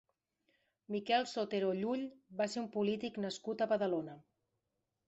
Miquel Sotero Llull va ser un polític nascut a Badalona.